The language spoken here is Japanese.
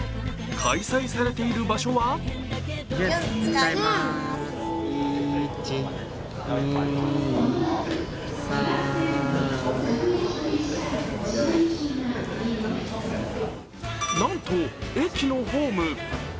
開催されている場所はなんと、駅のホーム。